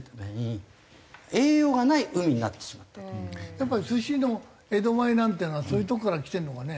やっぱり寿司の江戸前なんていうのはそういうとこからきてるのかね？